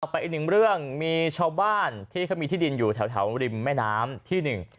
ต่อไปอีก๑เรื่องมีช่อบ้านที่เขามีที่ดินอยู่แถวริมแม่น้ำที่๑